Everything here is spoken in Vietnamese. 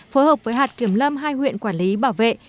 phối hợp với hạt kiểm lâm hai huyện quản lý bảo vệ